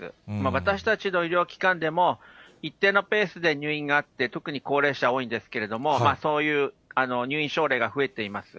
私たちの医療機関でも、一定のペースで入院があって、特に高齢者多いんですけれども、そういう入院症例が増えています。